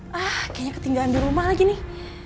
wah kayaknya ketinggalan di rumah lagi nih